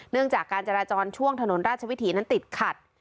จากการจราจรช่วงถนนราชวิถีนั้นติดขัด